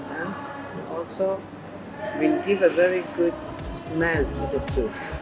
dan juga akan memberikan rasa yang sangat baik